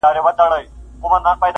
o پلار ورو ورو کمزوری کيږي ډېر,